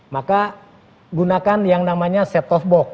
maka gunakan yang namanya set of box